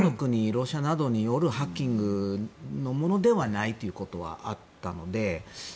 ロシアなどによるハッキングではないということではあったので。